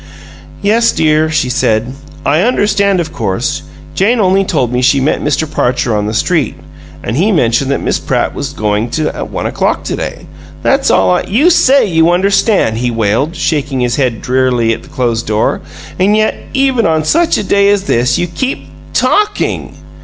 "Yes, dear," she said. "I understand, of course. Jane only told me she met Mr. Parcher on the street, and he mentioned that Miss Pratt was going at one o'clock to day. That's all I " "You say you understand," he wailed, shaking his head drearily at the closed door, "and yet, even on such a day as this, you keep TALKING!